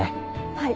はい。